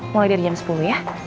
mulai dari jam sepuluh ya